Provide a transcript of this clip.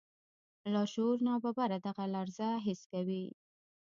لاشعور ناببره دغه لړزه حس کوي.